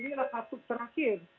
inilah katuk terakhir